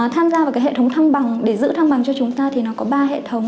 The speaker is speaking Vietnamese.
tham gia vào cái hệ thống thăng bằng để giữ thăng bằng cho chúng ta thì nó có ba hệ thống